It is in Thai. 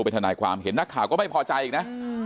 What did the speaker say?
เพื่อนที่อ้างตัวเป็นทนายความเห็นนักข่าก็ไม่พอใจอีกนะ